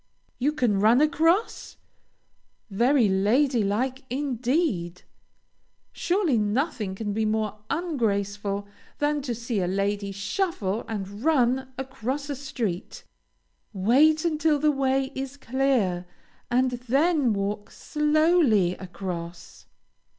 You can run across? Very lady like indeed! Surely nothing can be more ungraceful than to see a lady shuffle and run across a street. Wait until the way is clear and then walk slowly across.